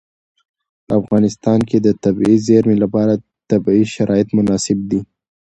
په افغانستان کې د طبیعي زیرمې لپاره طبیعي شرایط مناسب دي.